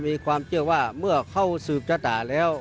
มีความเชื่อว่าเมื่อเข้าสืบชะตาแล้ว